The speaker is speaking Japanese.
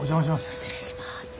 失礼します。